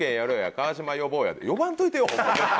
川島呼ぼうや」って呼ばんといてよホンマ絶対。